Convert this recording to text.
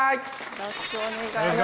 よろしくお願いします。